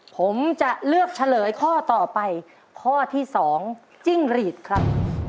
ผมจะเลือกเฉลยข้อต่อไปข้อที่๒จิ้งหรีดครับ